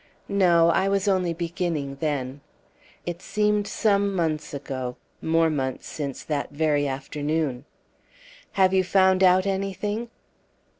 "No, I was only beginning, then." It seemed some months ago more months since that very afternoon. "Have you found out anything?"